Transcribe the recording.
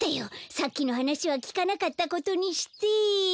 さっきのはなしはきかなかったことにして。